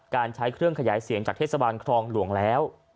การใช้เครื่องขยายเสียงจากเทศบาลครองหลวงแล้ว